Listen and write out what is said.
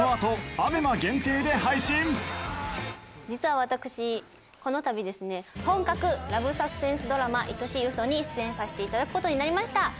実は私この度ですね本格ラブサスペンスドラマ『愛しい嘘』に出演させていただく事になりました。